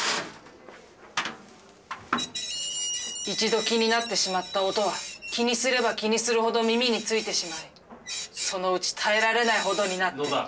一度気になってしまった音は気にすれば気にするほど耳についてしまいそのうち耐えられないほどになって。